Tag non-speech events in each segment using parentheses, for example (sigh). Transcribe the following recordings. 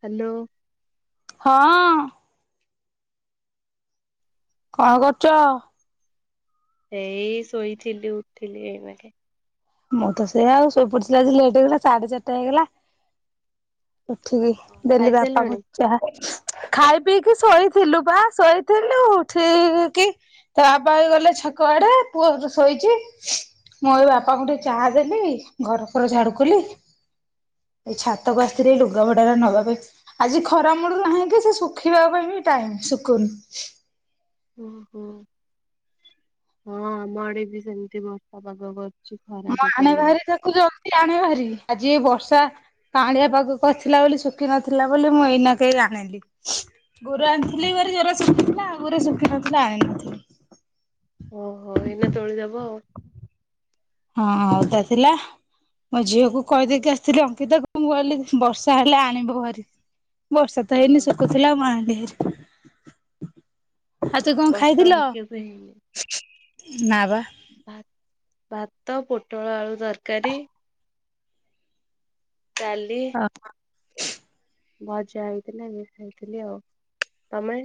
Hello. ହଁଅ। କଣ କରୁଛ? ଏଇ ଶୋଇଥିଲି ଉଠଲି ଆଇନାକେ ମୁଁ ତ ସେଇଆ ଆଉ ଶୋଇପଡିିଥିଲି ଆଜି ଲେଟ୍ ହେଇଗଲା ସାଢେ ଚାରିଟା ହେଇଗଲା। ଉଠିକି ଦେଲି ଖାଇସାରିଲଣି? ବାପାଙ୍କୁ ଚାହା ଖାଇ ପିଇକି ଶୋଇଥିଲୁ ପା ଶୋଇଥିଲୁ ଠିକ କି ତା ବାପା ବି ଗଲେ ଛକ ଆଡେ ପୁଅ ଶୋଇଛି ମୁଁ ଏବେ ବାପାଙ୍କୁ ଟିକେ ଚାହା ଦେଲି ଘର ପର ଝାଡୁ କଲି ଏଇ ଛାତକୁ ଆ ରେ ଲୁଗା ଭଡା ନବା ପାଇଁ ଆଜି ଖରା ମୁଲୁ ନାହିଁ କି ସେ ଶୁଖିବା ପାଇଁ ବି ଟାଇମ ଶୁଖୁନି। ଓହୋ ହଁ ଆମ ଆଡେ ବି ସେମିତି ବର୍ଷା ପାଗ କରିଛି। ମା ଆନେ ବାହାରି ଦେଖୁଛ। ଆଣ ଭାରି ଆଜି ଏ ବର୍ଷା ପାଣିଆ ପାଗ କରିଥିଲା ବୋଲି ଶୁଖ ନଥିଲା ବୋଲି ମୁଁ ଏଇନା କେହି ଆଣିଲି ଗୋରୁ ଆଣିଥିଲି ଘ ଜର ଶୁଖିଥିଲା ଆଉ ଗୋରେ ଶୁଖ ନଥିଲା ଆଣିନଥିଲି। ଓହୋ ଏଇନା ତୋଳି ଦବ ଆଉ। ହଁଉଟା ଥିଲା ମୋ ଝିଅକୁ କହିଦେଇକି ଆସିଥିଲି ଅଙ୍କିତା କ ମୁଁ କହିଲି ବର୍ଷା ହେଲେ ଆଣିବ ଭାରି ବର୍ଷା ତ ହଁ ହେଇନି ଶୁଖୁଥିଲା ମୁଁ ଆଇୱଲି ଆଉ ତୁ କଣ ବର୍ଷା ଖାଇଥିଲ ଭାଗ୍ୟକୁ ହେଇନି। ନା ବା। ଭା ଭାତ ପୋଟଳ ଆଳୁ ତରକାରୀ। ଚାଲି ଭଜା ହେଇଥିଲା ହେଇଥିଲି ଆଉ ତମେ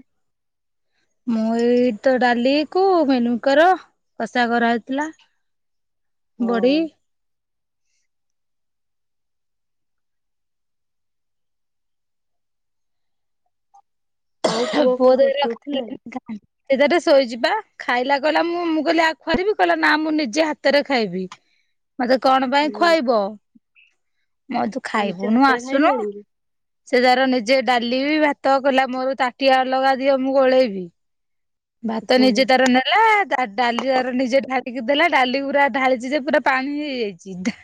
ମୁଁ ଏଇ ତ ଡାଲି କୁ ମେନୁଙ୍କର କଷା କରାହଇଥିଲା। ହଁ ବଢ଼ି। (inaudible) ଆଉ ପୁଅ କଣ ପୁଅଟତ କରୁଛି ରଖଥିଲେ। ଉଠିଲାଣି? ସିଏ ତାର ଶୋଇଛି ପା ଖାଇଲା କହିଲା ମୁଁ ମୁଁ କହିଲି ଆ ଖୁଆରିବି କହିଲ ନା ମୁଁ ନିଜେ ହାତରେ ଖାଇବି। ମତେ କଣ ପାଇଁ ହୁଁ ଖୁଆଇବ? ମ ତୁ ନିଜ ଖାଇବୁନୁ ହାତରେ ଆସୁନୁ ଖାଇଲାଣି କି? ସେ ତାର ନିଜେ ଡାଲି ଭାତ କଲା ମୋର ତାଟିଆ ଅଲଗା ଦିଅ ମୁଁ ଗୋଳେଇବି ଭାତ ହୁଁ ନିଜେ ତାର ନେଲା ଆ ଡାଲିର ନିଜେ ଢାଳିକି ଦେଲା ଡାଲି ଗୁରା ଢାଳିଛି ଯେ ପୁରା ପାଣି ହେଇଯାଇଛି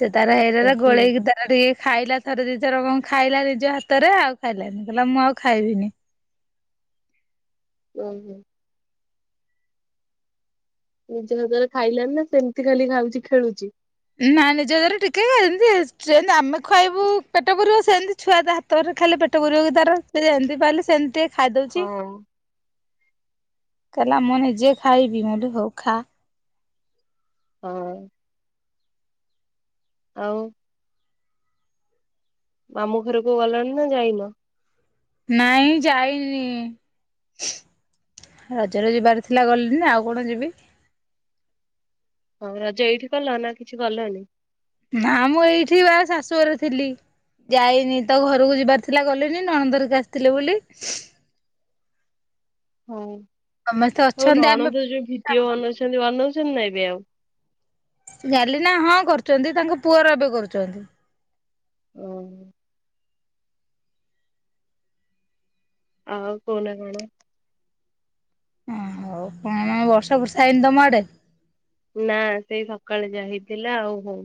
ସେ ତାର ଏଇରେ ହୁଁ ଗୋଳେଇକି ତାର ଟିକେ ଖାଇଲା ଥରେ ଦିଇ ଥର କଣ ଖାଇଲା ନିଜ ହାତରେ ଆଉ ଖାଇଲାନି କହିଲା ମୁଁ ଆଉ ଖାଇବିନି ହୁଁ ହୁଁ ନିଜ ହଜରେ ଖାଇଲାନି ନା ସେମିତି ଖାଲି ଖାଉଛି ଖେଳୁଛି ନା ନିଜ ଦର ଟିକେ ଏମତି ସେମିତି ଆମେ ଖୁଆବୁ ପେଟ ପୁରିବ ସେମିତି ଛୁଆ ତ ହାତରେ ଖାଲି ପେଟ ପୁରିବାକୁ ତାର ସେ ଯେମିତି ପାଇଲେ ସେମିତି ଟିକେ ଖାଇଦଉଛି ହଁ କହିଲା ମୁଁ ନିଜେ ଖାଇବି ମୁଁ କହିଲି ହଉ ଖା ହଁ ଆଉ ମାମୁ ଘରକୁ ଗଲଣି ନା ଯାଇନ? ନାଇଁ ଯାଇନି ରଜରେ ଯିବାର ଥିଲା ଗଲିନି ନା ଆଉ କଣ ଯିବି? ହଉ ରଜ ଏଇଠି କଲ ନା କିଛି କଲନି? ନା ମୁଁ ଏଇଠି ବା ଶାଶୁଘରେ ଥିଲି ଯାଇନି ତ ଘରକୁ ଯିବାର ଥିଲା ଗଲିନି ନଣନ୍ଦ ଘରିକା ଆସିଥିଲେ ବୋଲି ସମସ୍ତେ ହଉ ଅଛନ୍ତି ଆମେ ନଣନ୍ଦ ଯୋଉ ଭିତିଓ ବନଉଛନ୍ତି ବନ ନା ଏବେ ଆଉ ଜାଣିଲେ ନା ହଁ କରୁଛନ୍ତି ତାଙ୍କ ପୁଅର ଏବେ କରୁଛନ୍ତି। ଓହୋଃ! ଆଉ କୁହନା କଣ? (unintelligible) ହଉ କଣ ବର୍ଷା ଫର୍ଷା ହେଇନି ତମ ଆଡେ? ନା ସେଇ ସକାଳେ ଯା ହେଇ ଥିଲା ଆଉ ହଉ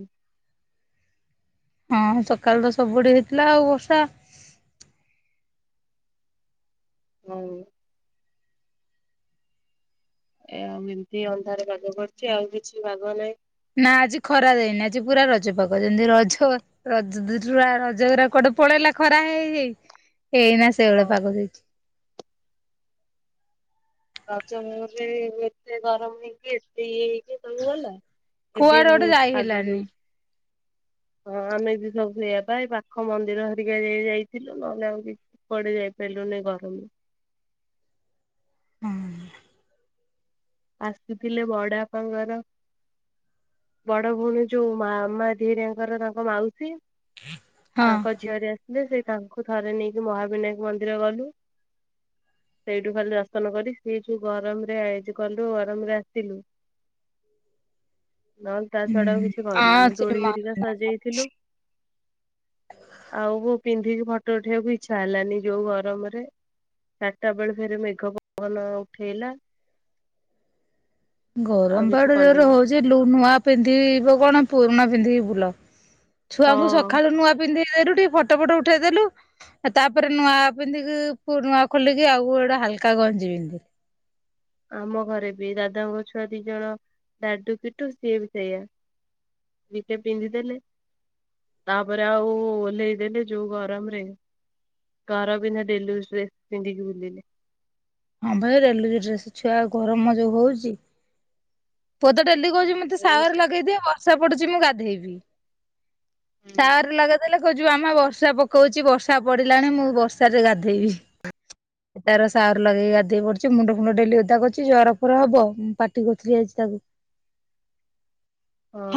ହଁ ସକାଳେ ତ ସବୁଆଡେ ହେଇଥିଲା ଆଉ ବର୍ଷା ହୁଁ। ଏ ମିନ୍ତି ଅନ୍ଧାରେ ପାଗ କରଛି ଆଉ କିଛି ବାଗ ନାହିଁ ନା ଆଜି ଖରା ଦେଇନି ଆଜି ପୁରା ରଜ ପାଗ ଯେମିତି ରଜ (unintelligible) ରଜ ଗୁଡା କୁଆଡେ ପଳେଇଲା ଖରା ହେଇ ହେଇ ଏଇନା ସେଇ ଭଳିଆ ହଁ। ପାଗ ଦେଇଚି। ରଜ (unintelligible) ଏତେ ଗରମ ହେଇକି ଏତେ ଇଏ ହେଇକି ସବୁ ଗଲା ଏବେ କୁଆଡେ ମୁଁ ଗୋଟେ ଯାଇ ପାଗ ଦଉ ହେଲାନି ହଁ ଆମେ ବି ସବୁ ସେଇଆ ଏ ପାଖ ମନ୍ଦିର ଘରିକା ଯାଇ ଯାଇଥିଲୁ ନହେଲେ ଆଉ କିଛି କୁଆଡେ ଯାଇପାରିଲୁନି ଗରମ ରେ। ହୁଁ। ଆସିଥିଲେ ବଡପାଙ୍କର ବଡ ଭଉଣୀ ଯୋଉ ମାମା ଧିରିଆଙ୍କର ତାଙ୍କ ମାଉସୀ ହଁ ତାଙ୍କ ଝିଅ ହେରିଆ ଯେ ସେଇ ତାଙ୍କୁ ଥରେ ନେଇକି ମହାବିନାୟକ ମନ୍ଦିର ଗଲୁ ସେଇଠୁ ଖାଲି ଦର୍ଶନ କରି ସିଏ ଯୋଉ ଗରମ ରେ (unintelligible) କଲୁ ଗରାମରେ ଆସିଲୁ। ନହେଲେ ତା ଛଡା ଅଉ କିଛି ହଁ କରିନୁ ସେଠି ଦୋଳି ମ ଘରିକା ସଜେଇଥିଲୁ ଆଉ ପିନ୍ଧିକି ଫଟୋ ଉଠେଇବାକୁ ଇଚ୍ଛା ହେଲାନି ଯୋଉ ଗରମରେ ଚାରିଟା ବେଳେ ଫେରେ ମେଘ ପବନ ଉଠେଇଲା। ଆଉ ଗରମ ତ କିଛି ଏଡେ ଜୋରେ କଲୁନୁ। ହଉଛି ଲୁ ନୂଆ ପିନ୍ଧିବ କଣ? ପୁରୁଣା ପିନ୍ଧିକି ବୁଲ ହଁ ଛୁଆଙ୍କୁ ସକାଳୁୂ ନୂଆ ପିନ୍ଦେ ନୂଆ ରୁ ଟିକେ ଫଟୋ ଫଟୋ ଉଠେଇଦେଲୁ ତାପରେ ନୂଆ ପିନ୍ଧିକି ପୁରୁଣା ଖୋଲିକି ଆଉ ଗୋଟେ ହାଲକା ଗଞ୍ଜି ପିନ୍ଧିଲୁ ଆମ ଘରେ ବି ଦାଦାଙ୍କ ଛୁଆ ଦି ଜଣ ଡାଡୁ କିଟୁ ସିଏ ବି ସେଇଆ ଟିକେ ପିନ୍ଧି ଦେଲେ ତାପରେ ଆଉ ଓହ୍ଲେଇ ଦେଲେ ଯୋଉ ଗରମରେ ଘର ପିନ୍ଧା ଡେଲି ଇଉଯ ଡ୍ରେସ ପିନ୍ଧିକି ବୁଲିଲେ। ହଁ ଭାଇ ଡେଲି ଇଉଜ ଡ୍ରେସ୍ ଛୁଆ ଆଉ ଗରମ ଯୋଉ ହଉଚି। (unintelligible) ଡେଲି କହୁଛି ମୋତେ ସାୱାର ଲଗେଇଦିଅ। ବ (unintelligible) ଆସା ପଡୁଛି ମୁଁ ଗାଧେଇବି ହଁ ସାର ଲଗେଇ ଦେଲେ କହିଛି ମାମା ବର୍ଷା ପକଉଛି ବର୍ଷା ପଡିଲାଣି ମୁଁ ବର୍ଷାରେ ଗାଧେଇବି ସେ ତାର ସାୱାର୍ ଲଗେଇ ଗାଧେଇ ପଡୁଛି ମୁଣ୍ଡ ଫୁଣ୍ଡ ଡେଲି ଓଦା କରୁଛି ଜର ଫର ହବ ପାଟି କରୁଥିଲି ଆଜି। ତାକୁ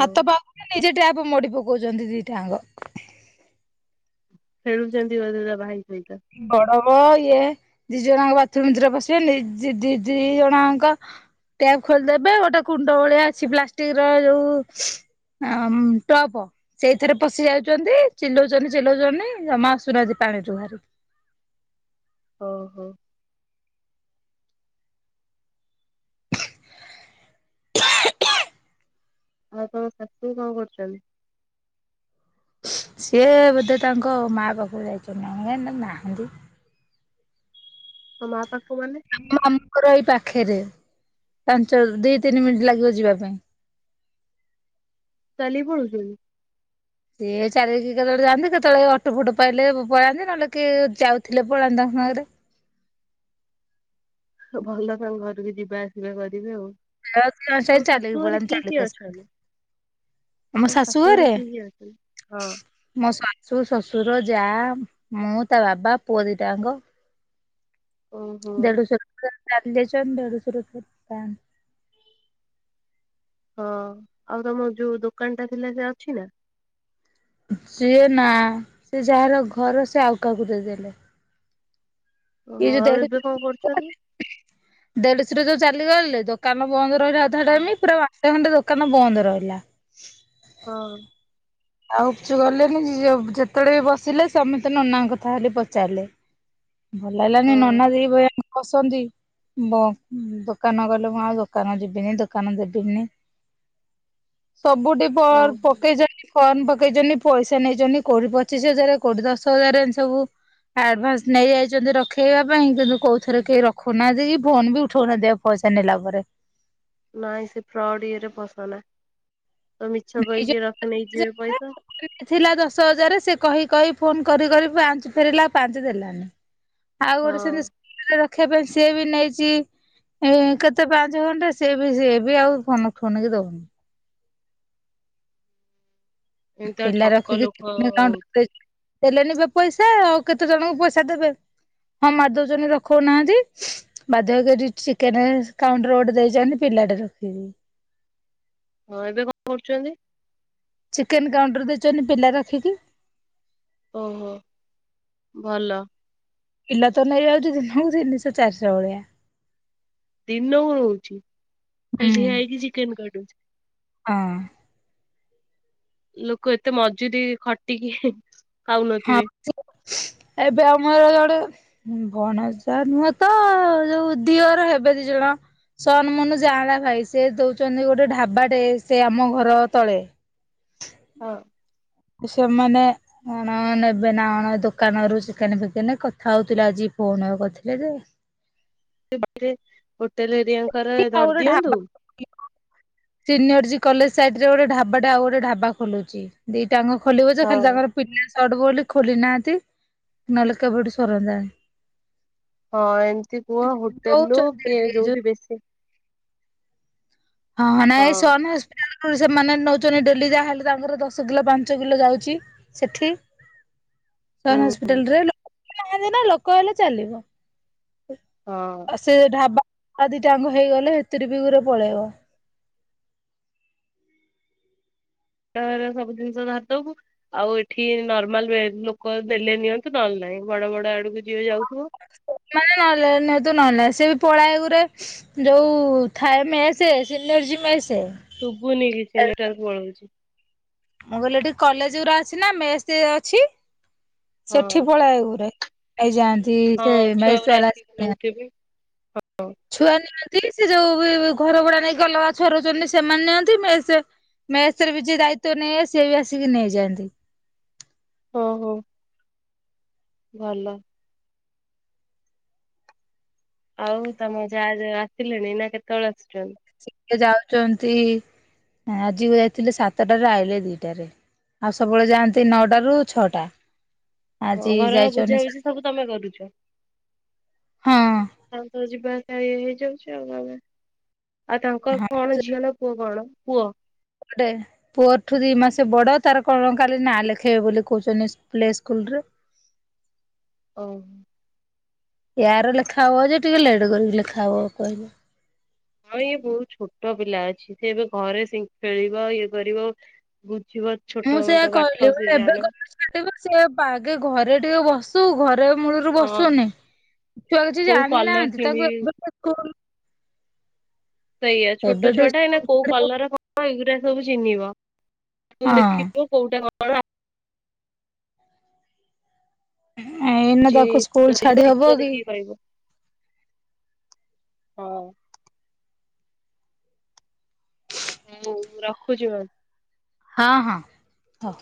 ହାତ ପାଉନି ନିଜେ ଟ୍ୟାପ ମୋଡ଼ି ପକ କହୁଚନ୍ତି ଦି ଟାଙ୍ଗ ଖେଳୁଚନ୍ତି ବୋଧେ ତା ଭାଇ ସହିତ। କଡ଼ମ ଇଏ ଦି ଜଣଯାକ ବାଥରୁମ ଭିତରେ ପଶିଗଲେ। ଦି ଦି ଜଣଙ୍କ ଟ୍ୟାବ ଖୋଲିଦେବେ। ଗୋଟେ କୁଣ୍ଡ ଭଳିଆ ଅଛି ପ୍ଲାଷ୍ଟିକ ର ଯୋଉ ଟପ। ସେଇଥିରେ ପଶି ଯାଉଚନ୍ତି। ଚିଲଉଚନ୍ତି ଚିଲଉଚନ୍ତି ଜମା ଆସୁନାହାନ୍ତି ପାଣିରୁୁ ବାହାରି। ଓ ହୋ। (unintelligible) ଆଉ ତମ ଶାଶୁ କଣ କରୁଚନ୍ତି? ସିଏ ବୋଧେ ତାଙ୍କ ମା ପାଖକୁ ଯାଇଚନ୍ତି ନା କଣ କାଇଁ ତ ନାହାନ୍ତି। ହ ମା। ପାଖକୁ ମାନେ ଆମ ମାମାଙ୍କର ଏଇ ପାଖରେ ପାଞ୍ଚ ଦି ତିନି ମିନିଟ୍ ଲାଗିବ ଯିବା ପାଇଁ। ଚାଲିକି ପଳାଉଚନ୍ତି। ସିଏ ଚାଲିକି କେତେବେଳେ ଯାଆନ୍ତି କେତେବେଳେ ଅଟୋ ଫଟ ପାଇଲେ ପଳାନ୍ତି ନହେଲେ କିଏ ଯାଉଥିଲେ ପଳାନ୍ତି ତାଙ୍କ ସାଙ୍ଗରେ। ଭଲ ତାଙ୍କ ଘରକୁ ଯିବା ଆସିବା କରିବେ ଆଉ। (unintelligible) ଚାଲିକି ତମ ଶାଶୁ ଘରେ ପଳାନ୍ତି କିଏ କିଏ ଚାଲିକି ଆସନ୍ତି ଅଛନ୍ତି? ଆମ ତମ ଶାଶୁ ଘରେ- କିଏ କିଏ ଅଛନ୍ତି? ହଁ ମୋ ଶା ଶାଶୁ, ଶଶୁର, ଯା, ମୁଁ ତା ବାବା ପୁଅ ଦିଇଟା ଯାଙ୍କ ଓହୋ ଦେଢଶୁର କା (unintelligible) ହଁ ଆଉ ତମ ଯୋଉ ଦୋକାନ ଟା ଥିଲା ସେ ଅଛି ନା? ସିଏ ନା ସେ ଯାହାର ଘର ସେ ଆଉ କାହାକୁ ଦେଇଦେଲେ। ଓହୋ ଇଏ ଯଦି ଆଉ ୟାଡୁ ଏବେ କଣ କରୁଛନ୍ତି? (unintelligible) ଦେଢଶୁର ଯୋଉ ଚାଲିଗଲେ ଦୋକାନ ବନ୍ଦ ରାଧା ହଁ ଟାଇମ ପୁରା ବାଟ ସେ ଖଣ୍ଡେ ଦୋକାନ ବନ୍ଦ ରହିଲା। ହଁ। ଆଉ କିଛି ଗଲେନି ଯେ ଯେତେବେଳେ ବି ବସିଲେ ସମେତେ ନନାଙ୍କ କଥା ଖାଲି ପଚାରିଲେ। ଭଲ ହେଲାନି ହଁ ନନା ଦିଇ ଭାଇଙ୍କ ବସନ୍ତି ବ ଦୋକାନ ଗଲେ କଣ ଆଉ ମୁଁ ଦୋକାନ ଯିବିନି ଦୋକାନ ଦେବିନି। ସବୁଠି ପ ଓହୋ ପକେଇ ଚନ୍ତି ଫର୍ମ ପକେଇଚନ୍ତି ପଇସା ନେଇଚନ୍ତି କୋଉଠି ପଚିଶ ହଜାର କୋଉଠି ଦଶ ହଜାର ଏମିତି ସବୁ ଆଡଭାନ୍ସ ନେଇଯାଇଚନ୍ତି ରଖେଇବା ପାଇଁ କିନ୍ତୁ କୋଉ ଥରେ କେହି ରଖୁନାହାନ୍ତି କି ଫୋନ ବି ଉଠଉନାହାନ୍ତି ପଇସା ନେଲା ପରେ। ନାଇଁ ସେ ଫ୍ରଡ ଇଏରେ ପସ ନା ତ ମିଛ କହିକି ନେଇଛନ୍ତି ରଖି ନେଇଯିବେ ଥିଲା ପଇସା ଦଶ ହଜାର ସେ କହି କହି ଫୋନ କରି କରି ପାଞ୍ଚ ଫେରିଲା ଆଉ ପାଞ୍ଚ ଦେଲାନି। ଆଉ ଗୋଟେ ସେ ହଁ ନିଷ୍ ଦେଖିବା ପାଇଁ ସିଏ ବି ନେଇଚି କେତେ ପାଞ୍ଚେ ଖଣ୍ଡେ ସିଏବି ସିଏବି ଆଉ ଫୋନ ଉଠଉନିକି ଦଉନି। ଏମିତିଆ ପିଲା ଠକ ରଖିକି ଲୋକ ଚିକେନ ହଉ। କାଉଣ୍ଟର ଦେଇଚି। ଦେଲେ ନିବେ ପଇସା ଆଉ କେତେ ଜଣଙ୍କୁ ପଇସା ଦେବେ ହଁ ମାରିଦଉଚନ୍ତି ରଖଉନାହାନ୍ତି ବାଧ୍ୟ ହେଇକି ଏଠି ଚିକେନ କାଉଣ୍ଟର ଗୋଟେ ଦେଇଚନ୍ତି ପିଲାଟେ ରଖିକି। ହଁ ଏବେ କଣ କରୁଚନ୍ତି? ଚିକେନ କାଉଣ୍ଟର ଦେଇଛନି ପିଲା ରଖିକି। ଓହୋ ଭଲ। ପିଲା ତ ନେଇଯାଉଛି ଦିନକୁ ତିନିଶହ ଚାରିଶହ ଭଳିଆ। ଦିନକୁ ହଉଛି ହୁଁ ଖାଲି ହେଇକି ଚିକେନ କାଟୁଛି। ହଁ। ଲୋକ ଏତେ ମଜୁରୀ ଖଟିକି। ହଁ ଖାଉନଥିବେ ଏବେ ଆମର ଜଣେ ଭଣଜା ନୁହଁ ତ ଯୋଉ ଦିଅର ହେବେ ଦି ଜଣ ସନମୁନୁ ଜାଆଁଳା ଭାଇ ସେ ଦଉଛନ୍ତି ଗୋଟେ ଢାବାଟେ ସେ ଆମ ଘର ତଳେ। ହଁ। ସେମାନେ କଣ ନେବେ ନାକଣ ଦୋକାନରୁୁ ଚିକେନ ଫିକେନେ କଥା ହଉଥିଲେ ଆଜି ଫୋନ କଥିଲେ ଯେ। ରେ ଗୋ। ହୋଟେଲ ଘରିକା ଙ୍କ ରେ ଧରିଦିଅନ୍ତୁ। ସିନିୟର ଯିଏ କଲେଜ ସାଇଡ ରେ ଗୋଟେ ଢାବାଟା ଆଉ ଗୋଟେ ଢାବା ଖୋଲୁଛି ଦି ତାଙ୍କ ଖୋଲିବ ଯେ ହଁ ଖାଲି ତାଙ୍କ ପିଲା ଚଟୁ ବ ଖୋଲି ନାହାନ୍ତି ନହେଲେ କେବେଠୁ ସରନ୍ତାଣି। ହଁ ଏମିତି କୁହ ହୋଟେଲରୁୁ ଦଉଛନ୍ତି ଏଠି କିଏ ଏଇ ଯୋଉ ଯୋଉଠି ବେଶୀ। ହଁ ନା ଏଇ ସନ ହସ୍ପିଟାଲ। ସେମାନେ ନଉଛନ୍ତି ଡେଲି ଯାହାହେଲେ ତାଙ୍କର ଦଶ କିଲୋ ପାଞ୍ଚ କିଲୋ ଯାଉଛି ସେଠି। ହୁଁ ସମ୍ ହସ୍ପିଟାଲ ରେ। ନାହାନ୍ତି ନା ଲୋକ ହେଲେ ଚାଲିବ। ହଁ ସେ ଢାବା। ଆଉ ଦିଟାଙ୍କ ହେଇଗଲେ ହେଥିରେ ବି ଘୁରେ ପଳେଇବ। ନିଜ ସବୁ ଜିନିଷ ଧାରଦବୁ ଆଉ ଏଠି ନର୍ମାଲ ବେ ଲୋକ ଦେଲେ ନିଅନ୍ତୁ ନହେଲେ ନାହିଁ ବଡ ବଡ ଆଡକୁ ଯିଏ ଯାଉ। ମାନେ ନହେଲେ ନେ। ମହେଲେ ନାଇ ସେ ବି ପଳାଏ ଗୁରେ ଯୋଉ ଥାଏ ମେସ ସିନର୍ଜି ମେ ଶୁଭୁନି କିଛି ନେଟୱାର୍କ ପଳଉଛି। ମୁଁ କହିଲି ଏଠି କଲେଜ ଗୁରା ଅଛି ନା ମେସେ ଅଛି। ସେଠି ହଁ ପଳାଏ ଘୂରେ। ଏଇଜାନ୍ ତି ସେ ହଁ ମେସ ଛୁଆଗୁରା ବାଲା ଆସିକି ଚିହ୍ନା। ନଉଥିବେ। ଛୁଆ ନ ନିଅନ୍ତି ସେ ଯୋଉ ବି ଘର ଭଡା ନେଇକି ଅଲଗା ଛୁଆ ରହୁଛନ୍ତି ସେମାନେ ନିଅନ୍ତି ମେସେ ମେସେ ରେ ବି ଯିଏ ଦାୟିତ୍ୱ ନେଇ ସିଏ ବି ଆସିକି ନେଇଯାଆନ୍ତି। ଓହୋ। ଭଲ। ଆଉ ତମ ଯା ଯୋଉ ଆସିଲେଣି ନା କେତେବେଳେ ଆସୁଛନ୍ତି। ସେ ଯାଉଛନ୍ତି ଆଜିକୁ ଯାଇଥିଲେ ସାତଟାରୁ ଆଇଲେ ଦିଟାରେ ଆଉ ସବୁବେଳେ ଯାଆନ୍ତି ନଅଟା ରୁ ଛଅଟା। ହଁ ଆଜି ଘରର ବୁଝା ଯାଇଛନ୍ତି ବୁଝି ସାତଟା। ସବୁ ତମେ କରୁଛ ହଁ ତାଙ୍କ ଯିବା ଆସିବା। ହେଇ ଯାଉଛି ଆଉ ନହେଲେ। ଆଉ ତାଙ୍କ ର ହଁ କଣ ଝିଅ ନା ପୁଅ କଣ। ପୁଅ। ଅଟେ ପୁଅଠୁ ଦି ମାସେ ବଡ ତାର କଣ କାଲି ନା ଲେଖେଇବେ ବୋଲି କହୁଛନ୍ତି ପ୍ଲେ ସ୍କୁଲରେ। ଓ ହୋ। ୟାର ଲେଖା ହବ ଯେ ଟିକେ ଲେଟ୍ କରିକି ଲେଖା ହବ କହିଲେ। ହଁ ଇଏ ବହୁତ ଛୋଟ ପିଲା ଅଛି ସେ ଏବେ ଘରେ ଖେଳିବ ଇଏ କରିବ। ଯିବ ମୁଁ ଛୋଟ ସେଇଆ ମୋଟ କହିଲି ପାଠ ମୁଁ ସେ କହିଲି ଏବେ ଜାଣୁ। କଣ ଛାଡିବୁ ସେ ପା ଆଗେ ଘରେ ଟିକେ ବସୁ ଘରେ। ମୂଳରୁ ହଁ ବସୁନି ଛୁଆ କିଛି କୋଉ ଜାଣି କଲର ନାହାନ୍ତି ତାଙ୍କୁ କିଣିବି ଏବେ ଠୁ ସ୍କୁଲ। ସେଇଆ ଛୋଟ ଏବେଠୁ ଛୁଆଟା ଏଇନା ସ୍କୁଲ କୋଉ ଛାଡି ହଁ କଲର କଣ ଏଇଗୁରା। ସବୁ ଚିହ୍ନିବ। ତାକୁ ଦେଖିବ କୋଉଟା କ ହେଲା। ଏଇନା ଆସୁଛି ତାକୁ ସ୍କୁଲ ଛାଡି ହବ ଚିତ୍ର କି? ଦେଖିକି କହିବ ହଁ। ହଉ ମୁଁ ରଖୁଛି ଭା ହଁ ହଁ। ହଉ।